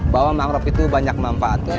bahwa mangrove itu banyak manfaatnya